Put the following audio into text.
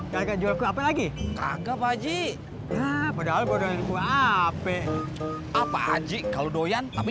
kagak jual apa lagi kagak wajib padahal bodohnya gua apa apa aja kalau doyan tapi